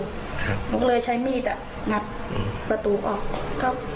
ครับน้องก็เลยใช้มีดอ่ะงัดประตูออก